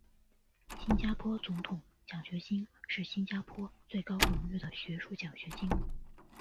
新加坡总统奖学金是新加坡最高荣誉的学术奖学金。